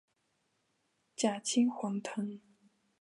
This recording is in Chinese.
假青黄藤